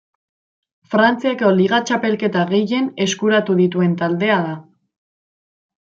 Frantziako Liga txapelketa gehien eskuratu dituen taldea da.